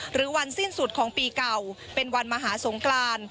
วันสิ้นสุดของปีเก่าเป็นวันมหาสงกราน